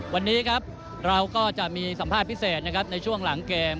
วันนี้เราก็จะมีสัมภาพพิเศษในช่วงหลังเกม